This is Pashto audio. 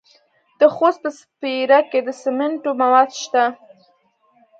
د خوست په سپیره کې د سمنټو مواد شته.